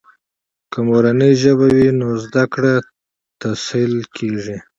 که مورنۍ ژبه وي، نو زده کړې تسهیل کیږي.